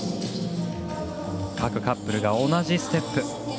各カップルが同じステップ。